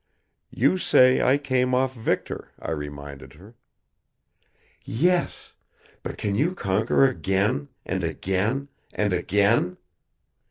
"You say I came off victor," I reminded her. "Yes. But can you conquer again, and again, and again?